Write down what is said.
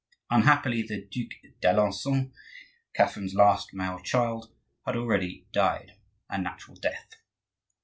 Unhappily the Duc d'Alencon, Catherine's last male child, had already died, a natural death.